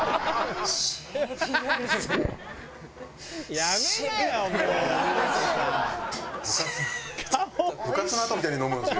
「やめなよ